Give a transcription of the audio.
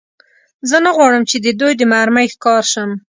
زه نه غواړم، چې د دوی د مرمۍ ښکار شم.